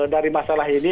dari masalah ini